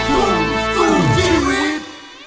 เพลงที่๕มูลค่า๘๐๐๐๐บาท